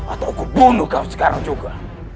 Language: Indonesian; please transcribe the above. atau aku akan membunuhmu sekarang juga